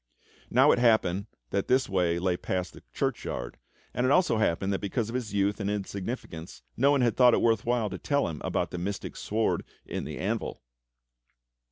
Now it happened that his way lay past the churchyard, and it also happened that because of his youth and insignificance no one had thought it worth while to tell him about the mystic sword in the anvil.